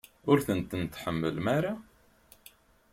Ur tent-tḥemmlem ara?